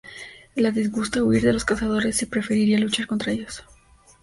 Le disgusta huir de los Cazadores y preferiría luchar contra ellos.